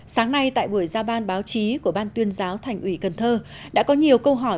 sáng nay tại buổi ra ban báo chí của ban tuyên giáo thành ủy cần thơ đã có nhiều câu hỏi